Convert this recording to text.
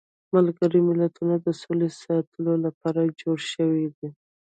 ملګري ملتونه د سولې ساتلو لپاره جوړ شویدي.